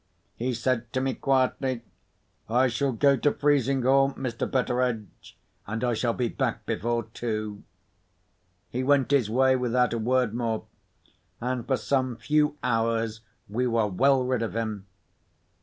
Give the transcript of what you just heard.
He said to me quietly, "I shall go to Frizinghall, Mr. Betteredge; and I shall be back before two." He went his way without a word more—and for some few hours we were well rid of him.